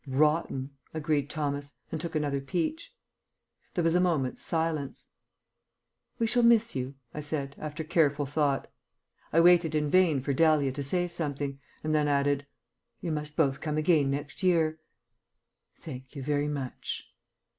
"Rotten," agreed Thomas, and took another peach. There was a moment's silence. "We shall miss you," I said, after careful thought. I waited in vain for Dahlia to say something, and then added, "You must both come again next year." "Thank you very much."